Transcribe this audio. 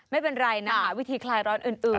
ไม่เป็นไรนะหาวิธีคลายร้อนอื่น